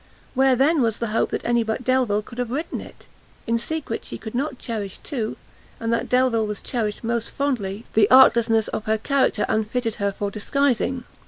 Where then was the hope that any but Delvile could have written it? in secret she could not cherish two, and that Delvile was cherished most fondly, the artlessness of her character unfitted her for disguising.